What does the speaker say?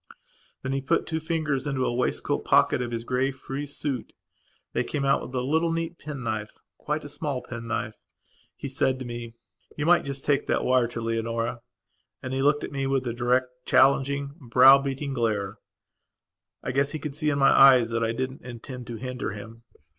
Then he put two fingers into the waistcoat pocket of his grey, frieze suit; they came out with a little neat pen knifequite a small pen knife. He said to me: "You might just take that wire to Leonora." And he looked at me with a direct, challenging, brow beating glare. I guess he could see in my eyes that I didn't intend to hinder him.